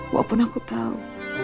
walaupun aku tahu